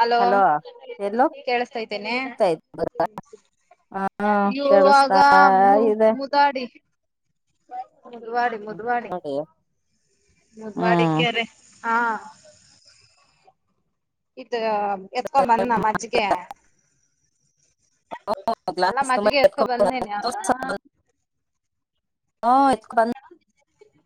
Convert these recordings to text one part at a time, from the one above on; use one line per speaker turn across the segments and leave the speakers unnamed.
Hello
ಎಲ್ಲೋ
ಕೇಳಸ್ತಾ ಆಯಿತಿ ಏನೇ
ಹೋಗ್ತಾ ಇತ್ತು ಹಾ
ಇವಾಗ
ಕೇಳಿಸ್ತಾ
ಮು
ಇದೆ
ಮುದಾಡಿ ಮುದುವಡಿ ಮುದುವಡಿ
ನೋಡಿ
ಮುದ್ವಾಡಿ
ಹ್ಮ್
ಕೆರೆ. ಹಾ ಎತ್ಕೊ ಬಂದ್ ನ ಮಜ್ಜಿಗೆ.
ಹ
ಅಲ್ಲ
ಗ್ಲಸ್ ತುಂಬಾ
ಮಜ್ಗೆ ಎತ್ಕೊ
ಎತ್ಕೊಂಡ್
ಬಂದೇನಿ ಅ
ಬಂದನ್ [unintelligible] ಹ್ಮತ್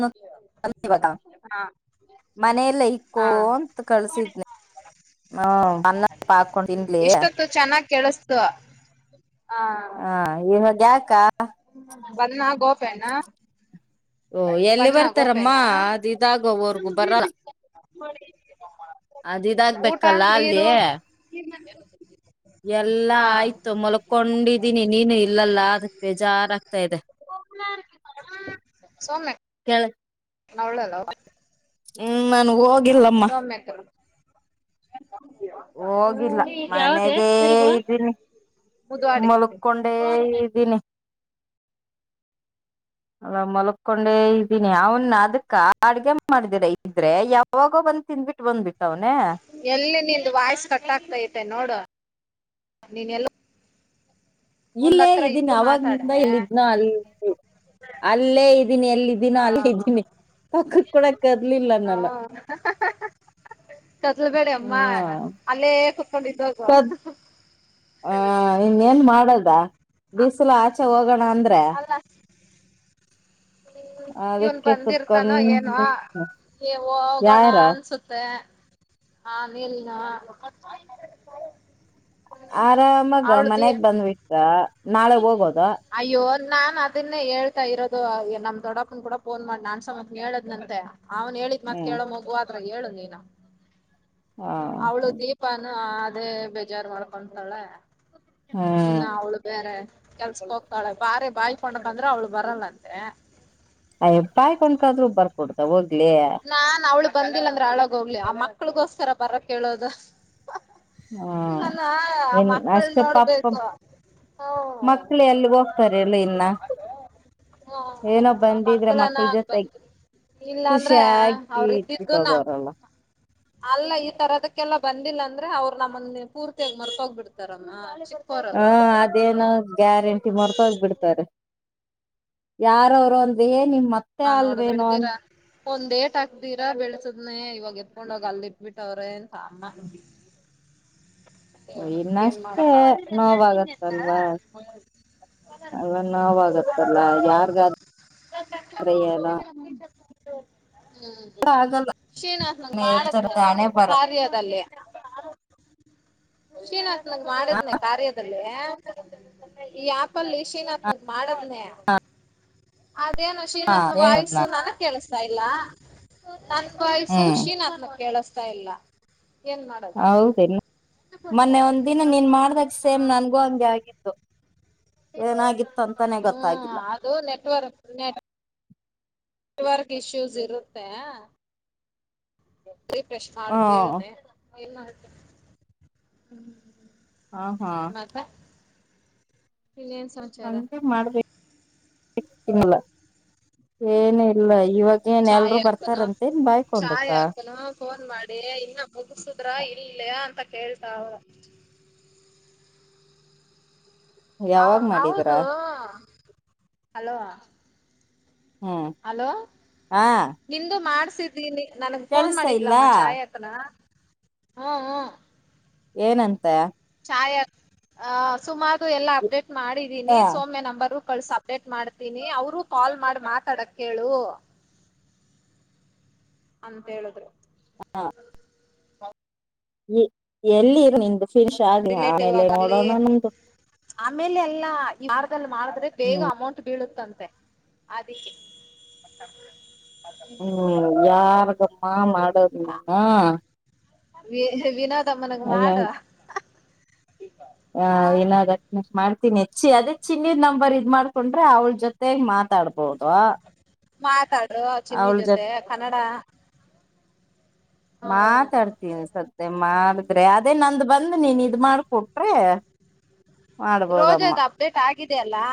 [unintelligible]
ಹಾ
ಮನೆಯಲ್ಲ ಇಕ್ಕೋ
ಹಾ
ಅಂತ ಕಳ್ಸಿದ್ನಿ ಹ್ಮಅನ್ನ ತುಪ್ಪ ಹಾಕೊಂಡು ತಿನ್ಲಿ
ಇಷ್ಟೊತ್ತು ಚೆನ್ನಾಗ್ ಕೇಳಿಸ್ತು
ಹ ಏನ್ [unintelligible] ಯಾಕಾ
ಬಂದ ನ ಗೋಪಣ
ಓ ಎಲ್ಲಿ ಬರ್ತಾರಮ್ಮ ಅದ ಇದಾಗವರ್ಗೂ ಬರಲ್ಲ ಅದ
ಊಟ
ಇದಾಗ್ಬೇಕಲ್ಲ ಅಲ್ಲಿ
ನೀರು
ಅಲಿಗೆ ಎಲ್ಲಾ
ಹಾ
ಆಯ್ತು ಮಲಕೊಂಡಿದ್ದೀನಿ ನೀನು ಇಲ್ಲಲ್ಲ ಅದಕ್ ಬೇಜಾರಾಗ್ತಾ ಇದೆ. [inaudible]
[inaudible]
[unintelligible]
ಅವಳಲ್ಲವಾ.
ಹ್ಮ ಹ್ಮ ನನ್ ಹೋಗಿಲ್ಲಮ್ಮ. ಹೋಗಿಲ್ಲ
ಹ್ಮ
ಮನೆಗೆೇ ಇದ್ದೀನಿ
ಮುದ್ವಾಡಿ
ಮಲ್ಕೊಂಡೇ ಇದ್ದೀನಿ ಅಲ್ಲ ಮಲಕೊಂಡೆ ಇದ್ದೀನಿ ಅವನ್ ಅದಕ್ಕ ಅಡ್ಗೆ ಮಾಡಿದಿರ ಇದ್ರೆ ಯಾವಾಗೋ ಬಂದ್ ತಿಂದ್ಬಿಟ್ಟು ಬಂದ್ಬಿಟ್ಟು
ಎಲ್ಲಿ ನಿಂದ ವಾಯಸ ಕಟ ಆಗ್ತಾ ಇತ್ತು ಮತ್ತ ನೋಡ ನೀನ್ ಎಲ್ಲ ಒಂದ್
ಇಲ್ಲೇ
ಹತ್ರ
ಇದೀನಿ
ಇತ್ತು
ಅವಾಗ
ಮಾತಾಡೆ
ನಿಂದ ಇಲ್ಲಿದ್ನ ಅಲ್ಲಿ ಅಲ್ಲೇ ಇದ್ದೀನಿ ಎಲ್ಲಿದ್ದೀನ
ಆ
ಅಲ್ಲೇ ಇದ್ದೀನಿ ಪಕ್ಕಕ್ ಕೂಡ ಕದಲಿಲ್ಲ ನಾನ
ಕದ್ಲಬೇಡಿ ಅಮ್ಮ
ಹಾ
ಅಲ್ಲೇ ಕುತ್ಕೊಂಡಿದ್ದೋಗು
ಕದ ಆ ಇನ್ನೇನ್ ಮಾಡದು ಬಿಸಿಲು ಆಚೆ ಹೋಗೋಣ ಅಂದ್ರೆ
ಹ್ಮ ಇವ್ನ್
ಅದಕ್ಕೆ
ಬಂದಿರ್ತಾನೋ ಏನ
ಕುತ್ಕೊಂಡ್
ನೀವು ಹೋಗೋಣ
ಯಾರ
ಅನ್ಸುತ್ತೆ ಹಾ ಮೇಲ್
ಆರಾಮಾಗ ಮನ್ಯಾಗ ಬಂದ್ವಿಟ್ಟ ನಾಳೆ ಹೋಗೋದ
ಅಯ್ಯೋ ನಾನ್ ಅದನ್ನೇ ಹೇಳ್ತಾ ಇರೋದು ನಮ್ ದೊಡ್ಡಪ್ಪನ್ ಕೂಡ ಫೋನ್ ಮಾಡಿ ನಾನ್ ಸಮತ್ ಹೇಳದ್ನಂತೆ ಅವ್ನ್ ಹೇಳಿದ
ಹ್ಮ್
ಕೇಳೋ ಮಗುವ ಹೇಳು ನೀನು ಹ ಅವಳು ದೀಪಾನ ಅದೇ ಬೇಜಾರ್ ಮಾಡ್ಕೊಂತಾಳ ಇನ್ನ
ಹ್ಮ್
ಅವಳು ಕೆಲ್ಸಕ್ ಹೋಗ್ತಾಳೆ ಬಾರಿ ಬಾಯಕೊಂಡ ಬಂದ್ರೆ ಅವ್ಳು ಬರಲ್ಲಂತೆ
ಅಯ್ ಪಾಯ್ ಕೊಂಡ್ಕಾದ್ರು ಬರ್ಕ ಕೊಡ್ತ ಹೋಗಿ
ನಾನ್ ಅವಳ ಬಂದಿಲ್ಲ ಅಂದ್ರೆ ಅಳಗೋಗ್ಲಿ ಆ ಮಕ್ಳಗೋಸ್ಕರ ಬರ ಕೇಳೋದು
ಹ್ಮ ಇನ್
ಮಕ್ಕಳ್
ಅಷ್ಟೇ ಪಪ
ನೋಡ್ಬೇಕು ಹ್ಮ್
ಮಕ್ಕಳಿ ಎಲ್ಲಿ ಹೋಗ್ತಾರೆ ಇಲ್ಲ ಇನ್ನ ಏನೋ
ಹ್ಮ್ ಆ
ಬಂದಿದ್ರೆ
ಮಕ್ಕಳನ್ನ
ಮಕ್ಕಳ ಜೊತೆ
ಬಂದ್ರು
ಖುಷಿ
ಇಲ್ಲಾಂದ್ರೆ
ಚಾಕಿ
ಅವ್ರ ಇದ್ದಿದ್ದುನ
ಇಟ್ಟಿಟ್ಟೋಗೋರಲ್ಲ
ಅಲ್ಲ ಈ ತರದಕ್ಕೆಲ್ಲ ಬಂದಿಲ್ಲ ಅಂದ್ರೆ ಅವ್ರು ನಮ್ಮನ್ನ ಪೂರ್ತಿಯಾಗಿ ಮರ್ಕೋಗ್ ಮರೆತೋಗ್ ಬಿಡ್ತಾರಮ್ಮ
ಹಾ ಅದೇನ ಗ್ಯಾರಂಟಿ ಮತ್ತೊಹೋಗ್ಬಡ್ತಾರೆ ಯಾರ ಅವರು ಅಂತ [unintelligible] ನಿಮ ಮತ್ತೆ
ಹಾ ನೋಡುದ
ಆಲ್ವೇನೋನ್
ಬಿಡ್ದಿರ ಒಂದ್ ಟಾಕ್ ಹಾಕ್ದೀರಾ ಬೆಳಸದ್ನನೆ ಇವಾಗ ಎತ್ಕೊಂಡೋಗ ಅಲ್ಲಿ ಇಟ್ಬಿಟ್ಟವ್ರೆ ಅಂತ ಅಮ್ಮ
ಇನ್ನಷ್ಟೇ ನೋವಾಗತ್ತಲ್ವಾ ಅಲ್ಲ ನೋವಾಗತ್ತಲ್ಲ ಯಾರ್ಗಾದ್ರೆ ಏನೋ
[unintelligible] ಹ್ಮ್
ಆಗಲ್ಲ
ಶ್ರೀನಿವಾಸನ ಮಾಡದ್ನ
ಹೇಳ್ತಾರೆ ಹಣೆ ಬರ
ಕಾರ್ಯದಲ್ಲಿ [inaudible] ಸೀನಾ ನಂಗ್ ಮಾಡಿದ್ನನೆ ಕಾರ್ಯದಲ್ಲಿ [unintelligible] ಈ ಆ್ಯಪಲ್ಲಿ ಯಶ ಏನತ್ನ ಮಾಡವನೇ ಅದೇನು
ಹ
ಶ್ರೀನಾತನಾ
ಹೇಳದ್
ವಾಯ್ಸ್
ನಾ
ತರ ಕೇಳಿಸುತ್ತೆ ಇಲ್ಲ ಇಲ್ಲ ನನ್ನ ವಾಯ್ಸ್
ಹ್ಮ್
ಶ್ರೀನಾಥ ತರ ಕೇಳಿಸ್ತಾ ಇರ್ತ ಇಲ್ಲ ಏನ್ ಮಾಡೋದು
ಹೌದೇನು ಮೊನ್ನೆ ಒಂದ ದಿನ ನೀನ್ ಮಾಡ್ದ ಸೇಮ್ ನನಗೂ ಹಾಗೆ ಆಗಿದ್ದು
ನೆಟ್ ವರ್ಕ್ ಬರ್ತಾ
ಗೊತ್ತಾಗಿಲ್ಲ
ಇಲ್ಲ ಹೂ ನೆಟ್ ವರ್ಕ್ ನೆಟ್ವರ್ಕ್ ಸಮಸ್ಯೆ ಇರುತ್ತೆ ಹ [inaudible] ರಿಫ್ರೆಶ್
ಹ
ಮಾಡೋಕೆ ಹೇಳಿಧೆ ಏನು ಮಾಡಿದೆ ಹೂ
ಹಾ ಹಾ
ಇನ್ನೇನ್ ಸಮಾಚಾರ
ಹಾಗೆ ಮಾಡಬೇಕು [unintelligible] ಏನೂ ಮಾಡೋಕೆ ಬರೋದಿಲ್ಲ ಇವಾಗ ಏನ್
ಚಾವಿ
ಎಲ್ರುೂ ಬರ್ತಾರಂತೇನ್ ಬಾಯ್ಕೊಂಡಕ್ಕ
ಹಾಕೋನ ಫೋನ್ ಮಾಡಿ ಇನು ಮುಗಿಸಿದರ ಇಲ್ಲಾ ಕೇಳ್ತಾವ ಹ
ಯಾವಾಗ್ ಮಾಡಿದೀರಾ
ಹೌದು ಹಲೋ
ಹ್ಮ್
ಹಲೋ
ಹಾ
ನಿಂದು ಮಾಡ ತಿದೆ [unintelligible] ನನ್ಗ್ ಫೋನ್
ಕೇಳಿಸ್ತಾ ಇಲ್ಲ
ಮಾಡಿದ್ಲಮ್ಮ ಚಾಯ ಅಕ್ಕನಾ ಹೂ ಹೂ
ಏನಂತೆ
ನಾಯಕ್ ಹಾ ಸುಮಕ್ ಎಲ್ಲ ಅಪ್ಡೇಟ್
ಹ
ಮಾಡಿದ್ದೀನಿ ಸೌಮ್ಯ ನಂಬರ್ ಕಾಲ್ ಸಪರೇಟ್ ಮಾಡ್ತೀನಿ ಅವರುಕಾಲ್ ಮಾಡಿ ಮಾತಾಡಕ್ ಹೇಳು ಅಂತ ಹೇಳಿದ್ರು
ಹಾ ಹ್ಮ್ ಎಲ್ಲಿ ಇ
ರಿಲೇಟಿವ್ ಆಗಲಿ ಆಮೇಲೆ ಎಲ್ಲಾ ಯಾರದಲ್ಲಿ ಮಾಡಿದ್ರೆ ಬೇಗ
ಹ್ಮ್
ಅಮೌಂಟ್ ಬೀಳುತ್ತಂತ ಮತ್ತೆ ಅದಕ್ಕೆ
ಹ್ಮ್ ಯಾರ್ ಮಾ ಮಾಡೋದ ನಾಮ
ಹ ವಿನೋದ್ ಮನೇಗ್ ಮಾಡು
ಹ ಏನರ್ ಮಾಡು ನಿಚ್ಚಿ ಅದೇ ಚಿನ್ನಯರ್ ನಂಬರ್ ಇದ್ ಮಾಡ್ಕೊಂಡ್ರೆ ಅವ್ಳ ಜೊತೆಗ್ ಮಾತಾಡ್ಬದ್ದ
ಹಾ ಮಾತಡ್. ಚಿನ್ನಿ ಜೊತೆ ಕನ್ನಡ. ಹ
ಮಾತಾಡ್ತೀವಿ ಸದ್.. ಅದೇ ಮಾಡಿದ್ರೆ ಅದೇ ನಂದು.. ಬಂದ ನೀನ್ ಇದ್ ಮಾಡ್ಕೊಟ್ರೆ.. ಮಾಡ್ಬೋದಮ್ಮ
ರೋಜದು ಅಪ್ಡೇಟ್ ಆಗಿ.. ಇದೆ ಅಲ್ಲಾ.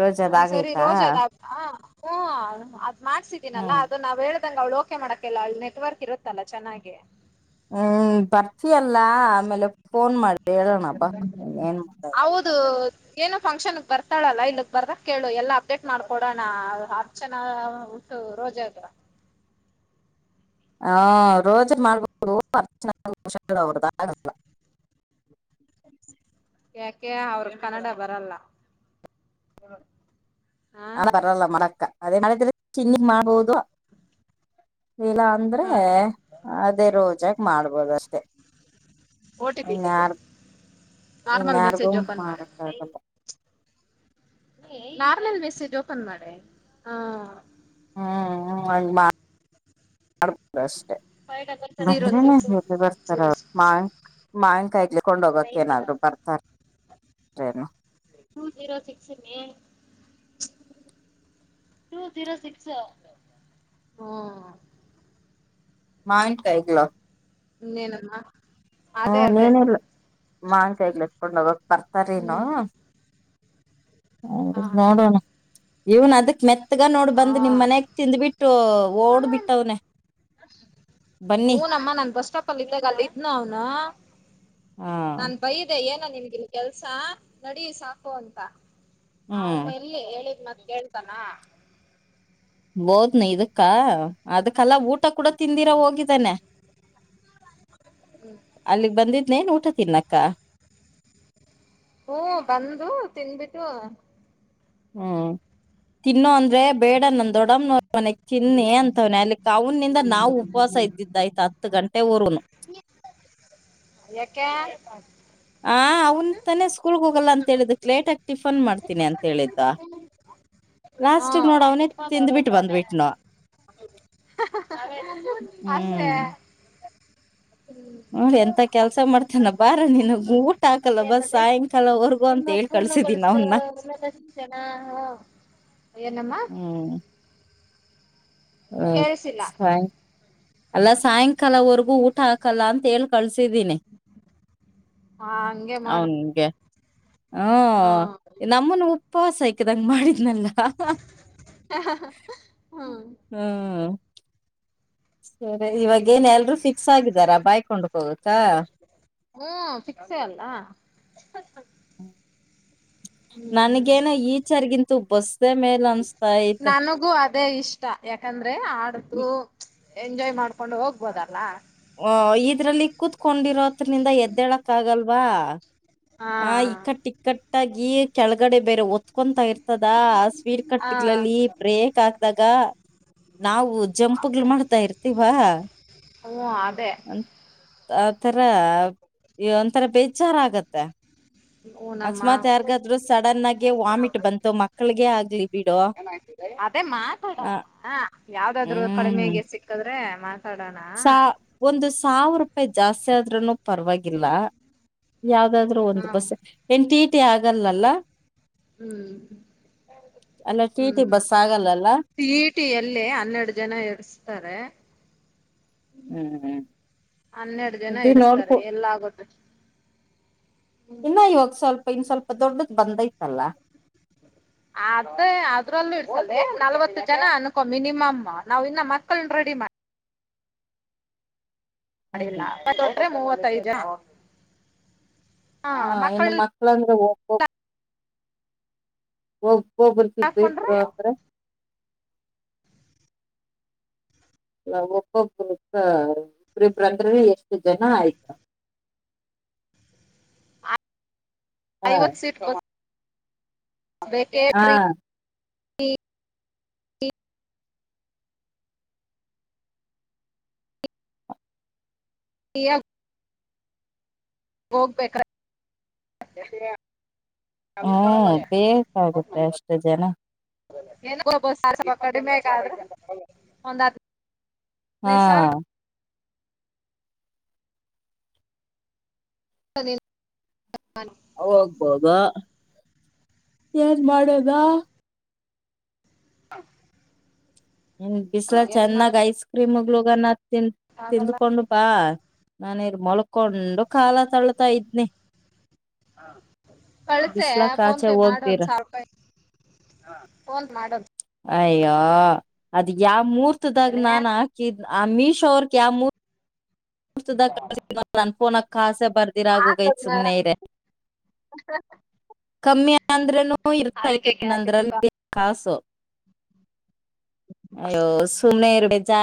ರೋಜ್ ಅದ್
ಒಂದ್ಸರಿ
ಆಗೈತಾ
ರೋಜದ [unintelligible] ಹ್ಮ. ಮಾಡ್ಸಿದೀನಲ್ಲ
ಹ್ಮ್
ಅದನ್ನ ನಾವು ಹೇಳ.. ನನ್ಗ ಅವಳು ಓಕೆ ಮಾಡಕಲ್ಲ ಅವಳ ನೆಟ್ವರ್ಕ್ ಇರುತ್ತಲ್ಲ ಚೆನ್ನಾಗಿ.
ಹ್ಮ್ ಬರ್ತಿಯ ಲ್ಲಾ ಆಮೇಲೆ ಫೋನ್ ಮಾಡಿ ಹೇಳೋಣ ಬಾ ನೀ ಏನ್ ಮಾಡದು.
ಏನೊ ಫಂಕ್ಷನ್ಗೆ ಬರ್ತಾಳಲ್ಲ ಇಲ್ಲಕ್ ಬರ್ಕೇಳು ಎಲ್ಲಾ ಅಪ್ಡೇಟ್ ಮಾಡ್ಕೊಡೋಣ ಅರ್ಚನಾ ಉಟು ರೋಜತ್ರ
ಹಾ ರೋಜರು ಮಾಡ್ಬೋುದುರ್ಷ ಅವ್ರದ ಆಲ್ಲ
ಯಾಕೆ ಅವರು ಕನ್ನಡ ಬರಲ್ಲ. ಹಾ
ಅ ಬರಲ್ಲ ಮಾಡಕ್ಕ ಅದೇನ್ ಮಾಡದ್ರಿ. ಚಿನ್ನಿ ಮಾಡ್ಬೋದು. ಇಲ್ಲ ಅಂದ್ರೆ ಅದೇ ರೋಜಾಗ ಮಾಡ್ಬೋದಷ್ಟೆ-
ಓ ಟಿ ಪಿ ತೆಗಿ
ಇನ್ಯಾರ್-
ನಾರ್ಮಲ್
ಇನ್ಯಾರ್ಗು
ಮೆಸೇಜ್ ಓಪನ್ ಮಾಡೆ
ಮಾಡಕ್ಕಾಗಲ್ಲ.
ನಾರ್ಮಲ್ ಮೆಸೇಜ್ ಓಪನ್ ಮಾಡೇ ಹಾ
ಹ್ಮ್ ಮಾಡಬ [unintelligible]
ಜೀರೋ
ಬಂದ್ರೇನೆ
ಸಿಕ್ಸ್
ಎಲ್ಲಿ ಬರ್ತಾರ
ಜೀರೋ
ಮಾ
ಸಿಕ್ಸ್
ಮಾವಿನಕಾಯಿ ಜಜ್ಕೊಂಡ್ ಹೋಗಕ್ಕೇನಾದ್ರೂ ಬರ್ತಾರೇ -ರೆನೊ..
two zero six May two zero six
ಮಾವಿನಕಯೀಗ್ಳ?
ಇನ್ನೇನಮ್ಮ
ಹಾ
ಅದೇ ಅದೇ
ನೀನೆಲ್ ಮಾವಿನ್ ಕಾಯೀಗಳ್ ಏತ್ಕೊಂಡೋಗೋ ಬರ್ತಾರೇನೋ
ಹ್ಮ್
ಹೌದು,
ಹಾ
ನೋಡೋಣ. ಇವನ್ ಅದಕ್ ಮೆತ್ ತ್ಗ ನೋಡ್
ಹಾ
ಬಂದ್ ನಿಮ್ ಮನಯಾಗ್ ತಿಂದ್ಬಿಟ್ಟು ಓಡ್ಬಿಟ್ಟವ್ನೆ.
ಹುನಮ್ಮ ನನ್ ಬಸ್ ಸ್ಟಾಪ್ ಅಲ್ಲಿ ಇದ್ದಾಗ ಅಲ್ಲಿ ಇದ್ನೋ. ನಾ
ಹಾ
ನಾನ್ ಬೈದೆ ಏನ್ [inaudible] ನಿನಗಿಲ್ ಕೆಲ್ಸ, ನಡೀ ಸಾಕು ಅಂತ.
ಹ್ಮ್
ಅವನು ಎಲ್ಲಿ ಹೇಳಿದ್ ಮತ್ ಹೇಳ್ತಾನ?
ಬೋದ್ನ ಇದಕ್ಕ? ಅದಕ್ ಕಲ ಊಟ ಕೂಡ ತಿಂದಿರ ಹೋಗಿದ್ದಾನೆ, ಅಲ್ಲಿಗ್ ಬಂದಿದ್ನೇನ್ ಊಟ ತಿನ್ನಕ್? ಕ್ಕಾ
ಹ್ಮ ಬಂದು ತಿನ್ಬಿಟ್ಟು
ಹ್ಮ್- ತಿನ್ನೋ ಅಂದ್ರೆ ಬೇಡ ನ ದೊಡಮ್ನೋರ್ ಮನೆಗ್ ತಿನ್ನಿ ಅಂತವ್ನೆ, ಅಲ್ಲಿ ಕಾವ್ನಿಂದ ನಾವ್ ಉಪವಾಸ ಇದ್ದಿದ್ದಾಯ್ತ ಹತ್ತು ಗಂಟೆ ವರುನು
ಯಾಕೆ
ಹ ಅವ್ನ್ ತಾನೇ ಸ್ಕೂಲ್ ಹೋಗಲ್ಲ ಅಂತ ಹೇಳಿದ್ದಕ್ ಲೇಟ್ ಆಗಿ ಟಿಫನ್ ಮಾಡ್ತನಿ ಅಂತ ಹೇಳಿದ್ ತ್ತಾ
ಹಾ ತುಂಬದ್ ಅವ್ರೇ ತಾನೇ? [inaudible] ಅಷ್ಟೇ
ಹು ಎಂತ ಕೆಲ್ಸ ಮಾಡ್ತೇನಬ್ ಬಾರ ನೀನು ಊಟ ಹಾಕಲ್ಲ ಬಾ ಸಾಯಂಕಾಲ ಹೊರ್ಗೂ ಅಂತ ಹೇಳ್ ಕಳ್ಸಿದೀನಿ ಅವನ್ನ.
ಏನಮ್ಮ
ಹ್ಮ್
ಕೇಳಿಸಿಲ್ಲ
[unintelligible] ಅಲ್ಲ ಸಾಯಂಕಾಲವರೆಗೂ ಊಟ ಹಾಕಲ್ಲ ಅಂತ ಹೇಳ್ ಕಳ್ಸ ಟಿದ್ದೀನಿ
ಹ ಹಂಗೆ ಮಾಡು
ಅವನ್ಗೆ
ಹ
ಹ್ಮ ನಮ್ಮನು ಪಾಸ್ [unintelligible] ಹಂಗ್ ಮಾಡಿದ್ನಲ್ಲ.
[inaudible] ಹ ಹ ಹಮ್
ಹಾ ಸರಿ ಇವಾಗ ಏನ್ ಎಲ್ರು ಫಿಕ್ಸ್ ಆಗಿದಾರಾ? ಬೈಕ್. [unintelligible]
ಹ್ಮ ಪಿಕ್ಸೆ ಅಲ್ಲ
ಹ್ಮ
ಹ್ಮ್
ನನ್ಗೇನು ಈಚಾರಿಗಿಂತು ಬಸ್ ಮೇಲ್. [unintelligible]
ನಾನಗು ಆ ಅ ಇಷ್ಟ ಯಾಕಂದ್ರೆ ಅ ಆಡತು ಎಂಜಾಯ್ ಮಾಡ್ಕೊಂಡು ಹೋಗ್ಬೋದಲ್ಲ
ಹ ಇದ್ರಲ್ಲಿ ಕುೂತ್ಕೊಂಡಿರೋದು ಇದರಿಂದ ಎದ್ದೇಳಕ್ ಆಗಲ್ವಾ
ಹಾ
ಹ ಇಕ್ಕಟ್ಟಿ ಕಟ್ಟಾಗಿ ಕೆಳಗಡೆ ಬೇರೆ ಒತ್ಕೊತಾ ಇರ್ತ ಆತದಾ ಸ್ಪೀಡ್
ಹ
ಕಟ್ಗಳಲ್ಲಿ ಬ್ರೇಕ್ ಹಾಕ್ದಾಗ ತಾ ನಾವು ಜಂಪ್ಗಳು ಮಾಡ್ತಾ ಇರ್ತೀವಾ
ಹ್ಮ ಅದೇ
ಅ ಆತರ ಒಂಥರ ಬೇಜಾರ ಆಗತ್ತೆ
ಹೂ ನಮ್ಮ
ಸಡನ್ ಆಗಿ ವಾಮಿಟ್ ಬಂತು ಮಕ್ಕಳಿಗೆ ಆಗ್ಲಿ ಬಿಡು
ಅದೇ ಮಾತಾ
ಅ
ಆಡ ಯಾವ್ದಾದ್ರು
ಹ್ಮ್
ಕಡಿಮೆಗೆ ಸಿಕ್ಕದ್ರೆ
ಸಾ ಒಂದು
[inaudible]
ಸಾವಿರ ರೂಪಾಯಿ ಜಾಸ್ತಿ ಆದ್ರೂನು ಪರವಾಗಿಲ್ಲ ಯಾವ್ದಾದ್ರು
ಹ
ಒಂದು ಬಸ್ ಹೆಂತಿ ತೆ ಆಗಲ್ಲಲ್ಲ
ಹ್ಮ್
ಅಲ್ಲ ಟಿ ಟಿ
ಹ್ಮ್
ಬಸ್ ಆಗಲ್ಲಲ್ಲ
ಟಿ ಟಿ ಯಲ್ಲೆ ಹನ್ನೆರಡು ಜನ ಇಡ್ಸ್ತಾರೆ
ಹ್ಮ್
ಹನ್ನೆರಡು ಜನ
ಅದೇ
ಇಡಸ್ತಾರೆ
ನೋಡ್ಕೊ
ಎಲ್ಲ ಆಗುತ್ತೆ
ಇನ್ನ ಇವಾಗ ಸ್ವಲ್ಪ ಇನ್ ಸ್ವಲ್ಪ ದೊಡ್ಡದ ಬಂದೈತಲ್ಲ
ಅದೇ ಅದ್ರಲ್ಲೂ ಇರ್ತದೆ ನಲ್ವತ್ತು ಜನ ಅನ್ಕೊ ಮಿನಿಮಮ್ ನಾವ್ ಇನ್ನ ಮಕ್ಕಳನ್ನ ರೆಡಿ ಮಾಡ
ಹ್ಮ್
[inaudible] ಮೂವತ್ತೈದು [inaudible]
ಹಾ ಇನ್ ಮಕ್ಕಳಂದ್ರ [inaudible]
ಹಾಕೊಂಡ್ರೆ
[inaudible] [inaudible] ನ ಒಬ್ಬ ಇಬರಿಬರಂದ್ರೆ ಎಷ್ಟು ಜನ ಆಯ್ತ
ಐವತ್ತು ಸೀಟ್ [inaudible] ಇಪ್
ಹಾ
ಈಯಬ್ ಹೋಗ್ಬೇಕ್ರ [unintelligible] ಬರ್ತೀನ
ಹ್ ಹ್ಹ್ಹ್ ಬೇಕಾಗುತ್ತೆ ಅಷ್ಟೇ ಜನ
[unintelligible]
ಹ-
ಹದಿನೈದು ಸಾವಿರ
ಹ
[unintelligible]
ಹೋಗ್ಬೋದ್ ಏನ್ ಮಾಡೋದಾ
[inaudible]
ಉಮ್ಮ್ ಬಿಸ್ಲ
ಏನ್
ಚೆನ್ನಾಗ
ಮಾಡಕ್
ಐಸ್ಕ ಟೀ ಮೊಗುಳ್ಗ ನಾಥ್ ತಿನ್
ಆಗಲ್ಲ
ತಂದುಕೊಂಡು ಬಾ ನಾನಿರ್ ಮಲ್ಕೊಂಡು ಕಾಲತಳ್ತಾ ಇದ್ನಿ
ಕಳಸೆ
ಬಿಸ್ಲಾಕ್
ಫೋನ್
ಆಚೆ
ಪೇ
ಹೋಗ್ದಿರ
ಮಾಡೋಂದ್ ಸಾವಿರ ರೂಪಾಯಿ ಫೋನ್ ಮಾಡೋದು
ಆಯೋ ಅದ್ ಯಾವ ಮೂರ್ ತು ದಾಗ್
ಏನೇ
ನಾನು ಹಾಕಿದ್ ಅಮಿಶೋ ಅವರ್ [unintelligible] ಕಾಸ ಬರ್ದಿರ ಆಗೋಗೈ ಸುಮ್ನೆ ಇ್ರ ಕಮ್ಮಿ ಅಂದ್ರನು ಇರ್ತಾ ಇತ್ ನೀನ್ನಂದ್ರಲ್ಲಿ ಕಾಸು ಅಯ್ಯೋ ಸುಮ್ನೆ ಇರು ಚಾ